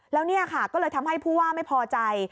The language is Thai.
แล้วนี่ค่ะก็เลยทำให้ผู้ว่าไม่พอใจ